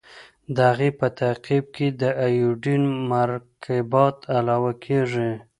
د هغې په تعقیب پرې د ایوډین مرکبات علاوه کیږي.